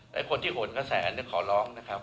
แต่คนที่โหนกระแสขอร้องนะครับ